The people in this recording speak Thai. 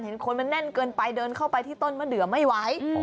คนมันแน่นเกินไปเดินเข้าไปที่ต้นมะเดือไม่ไหว